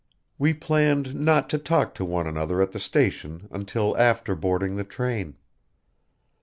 "We planned not to talk to one another at the station until after boarding the train.